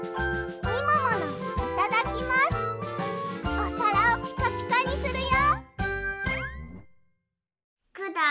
おさらをピカピカにするよ！